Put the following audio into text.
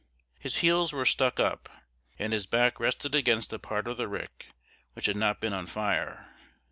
His heels were stuck up, and his back rested against a part of the rick which had not been on fire.